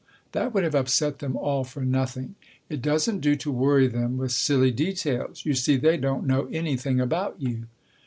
That would have upset them all for nothing. It doesn't do to worry them with silly details. You see, they don't know anything about you."